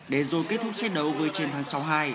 để rồi kết thúc xét đấu với chiến thắng sáu mươi hai